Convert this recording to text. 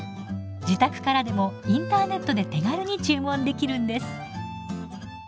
自宅からでもインターネットで手軽に注文できるんです。